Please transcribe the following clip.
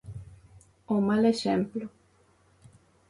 O mal exemplo.